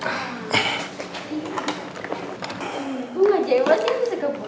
aku mah jempol sih gak bisa kebun